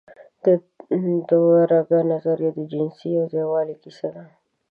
د دوهرګه نظریه د جنسي یوځای والي کیسه کوي.